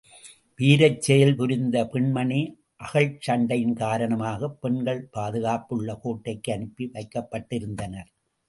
வீரச் செயல் புரிந்த பெண்மணி அகழ்ச் சண்டையின் காரணமாகப் பெண்கள் பாதுகாப்புள்ள கோட்டைக்கு அனுப்பி வைக்கப் பட்டிருந்தனர்.